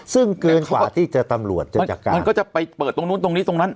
ซึ่งเกินกว่าที่ตำรวจจะจัดการมันก็จะไปเปิดตรงนู้นตรงนี้ตรงนั้น